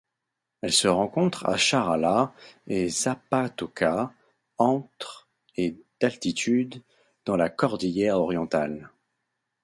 Elle se rencontre à Charalá et Zapatoca entre et d'altitude dans la cordillère Orientale.